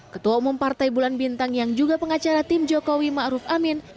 ketua umum partai bulan bintang yang juga pengacara tim jokowi ma'ruf amin